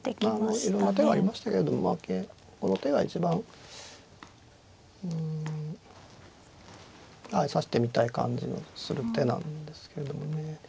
いろんな手がありましたけれどもこの手が一番うん指してみたい感じのする手なんですけどもね。